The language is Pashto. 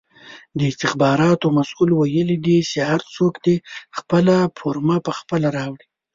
د استخباراتو مسئول ویلې دي چې هر څوک دې خپله فرمه پخپله راوړي!